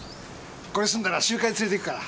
これ済んだら集会連れてくから。